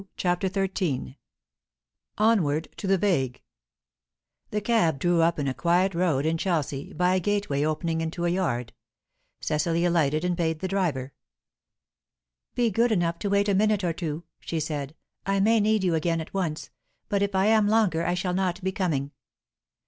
CHAPTER XIII ONWARD TO THE VAGUE The cab drew up in a quiet road in Chelsea, by a gateway opening into a yard. Cecily alighted and paid the driver. "Be good enough to wait a minute or two," she said. "I may need you again at once. But if I am longer, I shall not be coming."